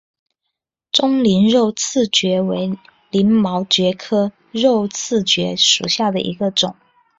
棕鳞肉刺蕨为鳞毛蕨科肉刺蕨属下的一个种。